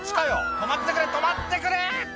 止まってくれ止まってくれ！」